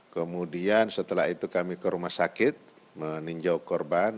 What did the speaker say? kemudian setelah itu kami ke rumah sakit meninjau korban